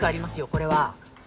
これは。